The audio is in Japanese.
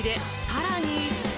さらに。